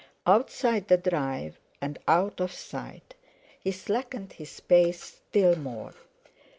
Outside the drive, and out of sight, he slackened his pace still more.